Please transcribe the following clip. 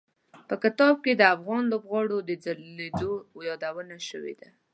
په کتاب کې د افغان لوبغاړو د ځلېدو یادونه شوي ده.